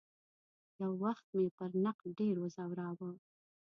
یو وخت مې پر نقد ډېر وځوراوه.